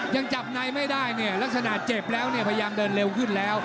ยังจับไหนไม่ได้นี่ลักษณะเจ็บแล้วแบบเนี่ยภายามเดินเร็วเพิ่งแล้ว